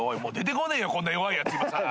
こんな弱いやついまさら！